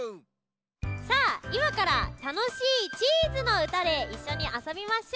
さあいまからたのしいチーズのうたでいっしょにあそびましょう。